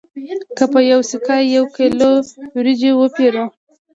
که په یوه سکه یو کیلو وریجې وپېرو